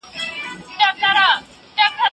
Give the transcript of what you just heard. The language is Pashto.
اسلام د ورورولۍ او ميني دین دی.